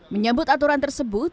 menyambut aturan tersebut